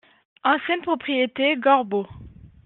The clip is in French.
Ancienne propriété Gorbeau.